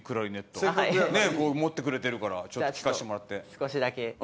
持ってくれてるから聴かせてもらって。